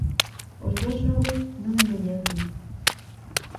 Os bos xogos non envellecen.